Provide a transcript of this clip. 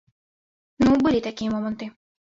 Ну, былі такія моманты.